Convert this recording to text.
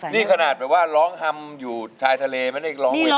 นี่ขนาดร้องฮัมอยู่ท้ายทะเลมันอีกร้องกว่าที